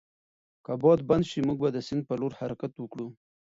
که باد بند شي، موږ به د سیند پر لور حرکت وکړو.